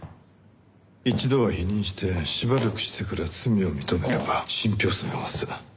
一度は否認してしばらくしてから罪を認めれば信憑性が増す。